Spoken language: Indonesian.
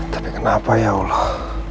tapi kenapa ya allah